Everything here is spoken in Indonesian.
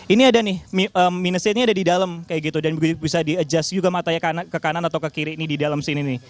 ini ada nih minusnya ada di dalam kayak gitu dan bisa di adjust juga matanya ke kanan atau ke kiri ini di dalam sini nih